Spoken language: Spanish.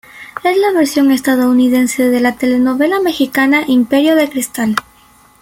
Es la versión estadounidense de la telenovela mexicana Imperio de cristal.